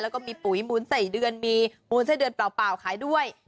แล้วก็มีปุ๋ยมูลใส่เดือนมีมูลไส้เดือนเปล่าขายด้วย